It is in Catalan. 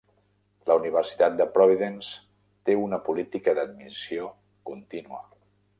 La Universitat de Providence té una política d'admissió continua.